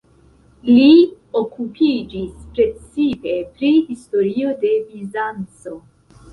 Li okupiĝis precipe pri historio de Bizanco.